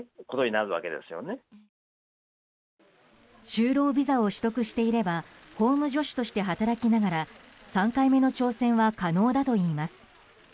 就労ビザを取得していれば法務助手として働きながら３回目の挑戦は可能だといいます。